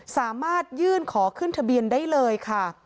สามารถยื่นขอขึ้นทะเบียนได้เลยค่ะ